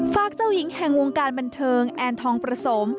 เจ้าหญิงแห่งวงการบันเทิงแอนทองประสม